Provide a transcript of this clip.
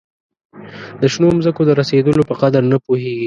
د شنو مځکو د رسېدلو په قدر نه پوهیږي.